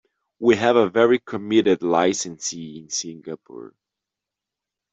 We have a very committed licensee in Singapore.